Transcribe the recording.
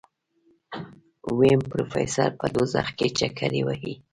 ويم پروفيسر په دوزخ کې چکرې وهي.